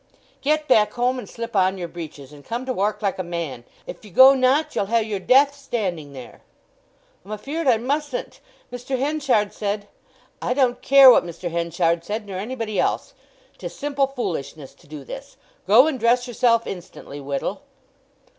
"Get back home, and slip on your breeches, and come to wark like a man! If ye go not, you'll ha'e your death standing there!" "I'm afeard I mustn't! Mr. Henchard said——" "I don't care what Mr. Henchard said, nor anybody else! 'Tis simple foolishness to do this. Go and dress yourself instantly Whittle."